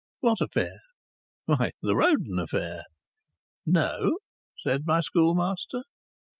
"What affair?" "Why, the Roden affair!" "No," said my schoolmaster.